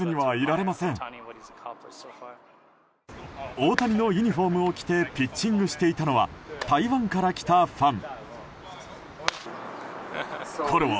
大谷のユニホームを着てピッチングしていたのは台湾から来たファン。